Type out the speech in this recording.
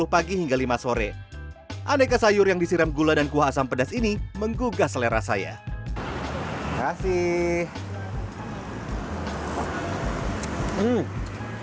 pagi hingga lima sore aneka sayur yang disiram gula dan kuah asam pedas ini menggugah selera saya kasih uh